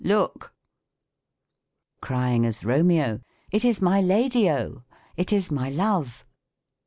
Look !" Crying, as Romeo, " It is my lady O ! It is my love